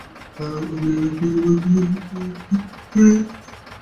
অভিযানের একপর্যায়ে মতিঝিলের টিঅ্যান্ডটি কলেজের সামনে থেকে নাজমুলকে গ্রেপ্তার করা হয়।